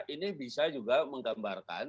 ini bisa juga menggambarkan